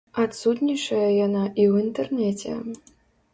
Адсутнічае яна і ў інтэрнэце.